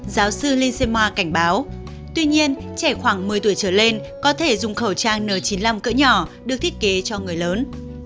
giáo sư lisema cảnh báo tuy nhiên trẻ khoảng một mươi tuổi trở lên có thể dùng khẩu trang n chín mươi năm cỡ nhỏ được thiết kế cho người lớn